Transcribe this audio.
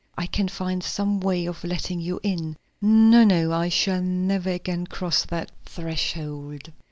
I can find some way of letting you in." "No, no. I shall never again cross that threshold!"